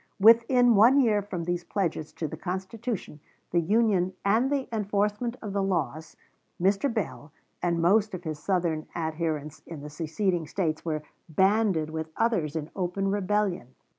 Within one year from these pledges to the Constitution, the Union, and the enforcement of the laws, Mr. Bell and most of his Southern adherents in the seceding States were banded with others in open rebellion.